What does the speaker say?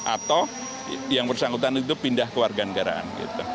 atau yang bersangkutan itu pindah ke warga negaraan